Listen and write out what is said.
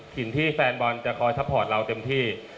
สิ่งที่แฟนบอลจะคอยซัพพอร์ตเราเต็มที่